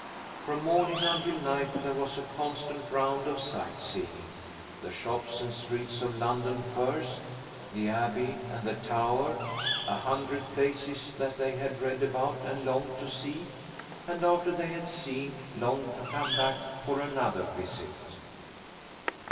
From morning until night there was a constant round of sightseeing. The shops and streets of London first, the Abbey and the Tower, a hundred places that they had read about and longed to see, and after they had seen, longed to come back to for another visit.